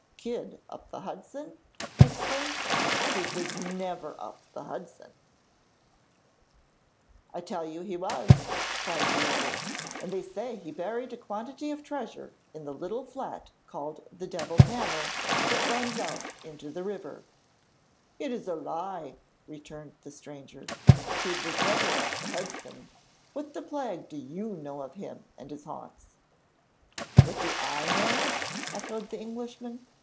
'Kidd up the Hudson?' he exclaimed; 'Kidd was never up the Hudson.' [Illustration: WOLFERT FINDS A STRANGER AT THE INN] 'I tell you he was,' cried the other; 'and they say he buried a quantity of treasure in the little flat called the Devil's Hammer that runs out into the river.' 'It is a lie,' returned the stranger; 'Kidd was never up the Hudson! What the plague do you know of him and his haunts?' 'What do I know?' echoed the Englishman.